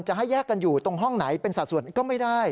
จะให้แยกกันอยู่ตรงห้องไหนเป็นสัดส่วนก็ไม่ได้